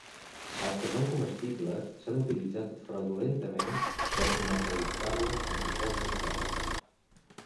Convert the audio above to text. Els que són comestibles s'han utilitzat fraudulentament per comercialitzar-los com si fossin tòfones.